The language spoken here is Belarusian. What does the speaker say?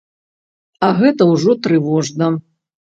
А гэта ўжо трывожна.